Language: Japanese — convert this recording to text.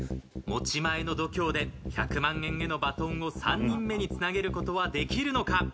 持ち前の度胸で１００万円へのバトンを３人目につなげる事はできるのか。